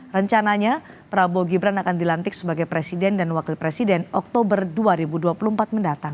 rencananya prabowo gibran akan dilantik sebagai presiden dan wakil presiden oktober dua ribu dua puluh empat mendatang